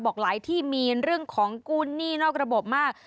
บอกหลายที่มีเรื่องของกู้หนี้นอกระบบมาก